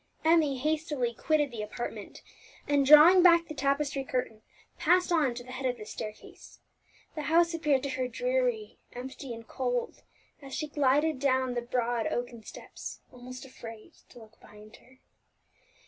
Emmie hastily quitted the apartment, and drawing back the tapestry curtain, passed on to the head of the staircase. The house appeared to her dreary, empty, and cold, as she glided down the broad oaken steps, almost afraid to look behind her.